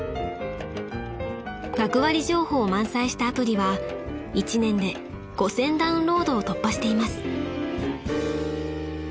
［学割情報を満載したアプリは一年で５，０００ダウンロードを突破しています］